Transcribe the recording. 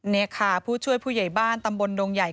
นี่ค่ะผู้ช่วยผู้ใหญ่บ้านตำบลดงใหญ่